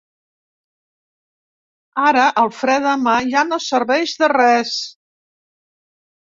Ara el fre de mà ja no serveix de res.